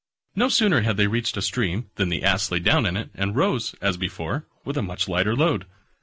No sooner had they reached a stream than the Ass lay down in it, and rose, as before, with a much lighter load.